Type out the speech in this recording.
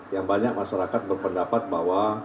yang banyak masyarakat berpendapat bahwa